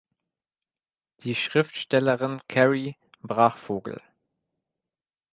Die Schriftstellerin Carry Brachvogel.